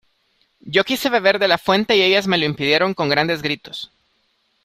yo quise beber de la fuente, y ellas me lo impidieron con grandes gritos: